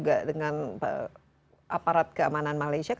aparat keamanan malaysia